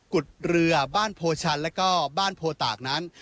ุดเรือบ้านโพชันแล้วก็บ้านโพตากนั้น